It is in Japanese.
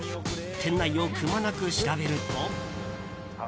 店内をくまなく調べると。